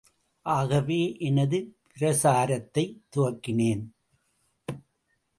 ஆகவே எனது பிரசாரத்தைத் துவக்கினேன்.